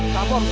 kasihan deh lo